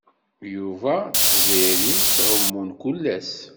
Yuba d Tiziri ttɛumun kullas.